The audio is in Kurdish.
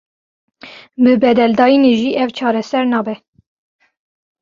Bi bedeldayînê jî ev çareser nabe.